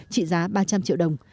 trị giá ba trăm linh triệu đồng